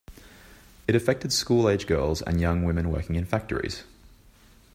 It affected school-age girls and young women working in factories.